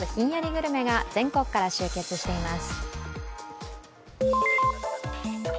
グルメが全国から集結しています。